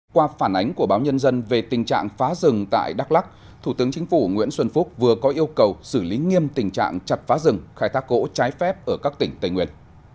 qua phản ánh của báo nhân dân về tình trạng phá rừng tại đắk lắc thủ tướng chính phủ nguyễn xuân phúc vừa có yêu cầu xử lý nghiêm tình trạng chặt phá rừng khai thác gỗ trái phép ở các tỉnh tây nguyên